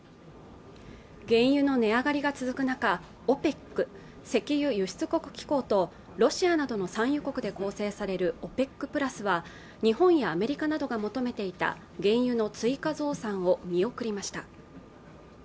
原油の値上がりが続く中ＯＰＥＣ＝石油輸出国機構とロシアなどの産油国で構成されるＯＰＥＣプラスは日本やアメリカなどが求めていた原油の追加増産を見送りました